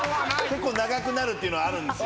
結構長くなるっていうのあるんですよ。